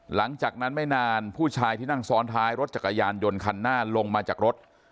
หลังจากนั้นไม่นานผู้ชายที่นั่งซ้อนท้ายรถจักรยานยนต์คันหน้าลงมาจากรถ